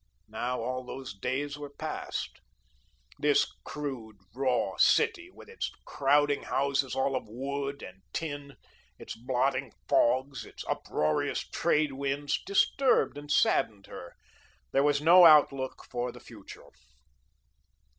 Now, all those days were passed. This crude, raw city, with its crowding houses all of wood and tin, its blotting fogs, its uproarious trade winds, disturbed and saddened her. There was no outlook for the future.